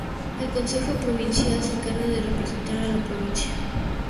El Consejo Provincial se encarga de representar a la provincia.